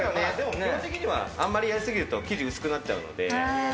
あんまりやりすぎると生地が薄くなっちゃうので。